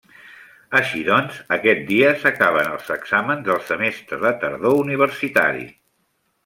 Així doncs, aquest dia s'acaben els exàmens del semestre de tardor universitari.